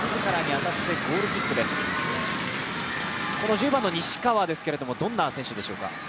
１０番の西川、どんな選手でしょうか。